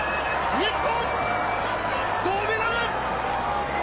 日本、銅メダル。